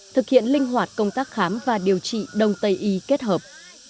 thực hiện linh hoạt công tác khám và điều trị đông tây y kết hợp